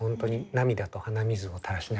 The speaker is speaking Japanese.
涙と鼻水をたらしながら。